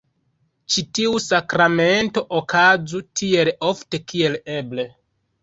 Ĉi tiu sakramento okazu tiel ofte kiel eble.